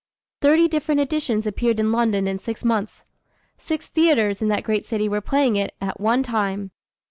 Thirty different editions appeared in London in six months. Six theatres in that great city were playing it at one time.